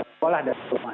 sekolah dan rumah